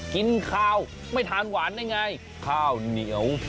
กินข้าวไม่ทานหวานได้ไงข้าวเหนียว